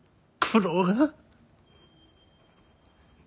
九郎が。